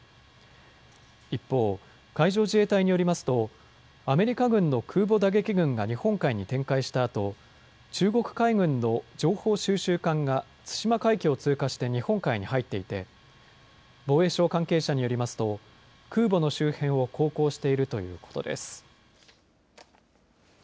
一方、海上自衛隊によりますとアメリカ軍の空母打撃群が日本海に展開したあと中国海軍の情報収集艦が対馬海峡を通過して日本海に入っていて防衛省関係者によりますと空母の周辺を航行しているということです。